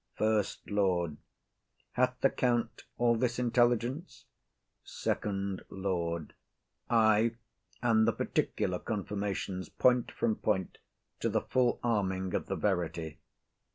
SECOND LORD. Hath the count all this intelligence? FIRST LORD. Ay, and the particular confirmations, point from point, to the full arming of the verity.